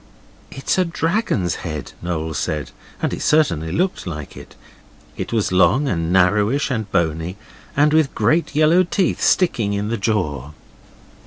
'It's a dragon's head,' Noel said, and it certainly looked like it. It was long and narrowish and bony, and with great yellow teeth sticking in the jaw.